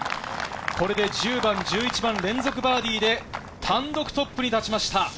これで１０番、１１番連続バーディーで単独トップに立ちました。